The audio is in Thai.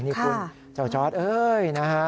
นี่คุณเจ้าจอร์ดเอ้ยนะฮะ